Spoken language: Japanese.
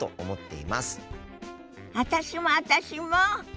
私も私も！